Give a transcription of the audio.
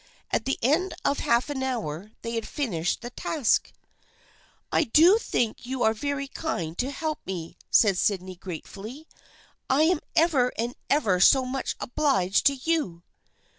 At the end of half an hour they had finished the task. " I do think you are very kind to help me/' said Sydney gratefully. " I am ever and ever so much obliged to you."